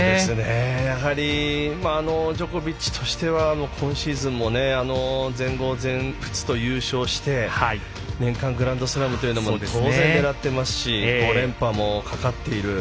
やはりジョコビッチとしては今シーズンも全豪、全仏と優勝して年間グランドスラムというのも当然狙っていますし５連覇もかかっている。